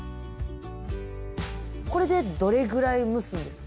これでどれくらい蒸すんですか？